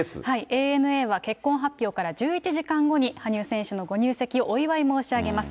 ＡＮＡは結婚発表から１１時間後に、羽生選手のご入籍をお祝い申し上げます。